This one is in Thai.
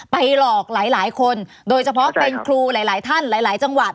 หลอกหลายคนโดยเฉพาะเป็นครูหลายท่านหลายจังหวัด